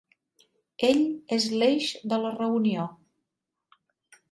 Ell és l'eix de la reunió.